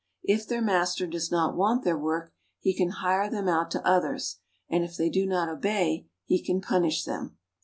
If their master does not want their work, he can hire them out to others, and if they do not obey he can punish them.